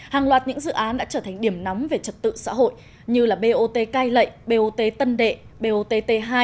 hàng loạt những dự án đã trở thành điểm nóng về trật tự xã hội như bot cai lệ bot tân đệ bot hai